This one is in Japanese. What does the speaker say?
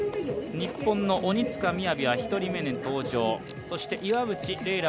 日本の鬼塚雅は１人目で登場そして岩渕麗